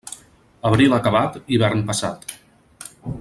Abril acabat, hivern passat.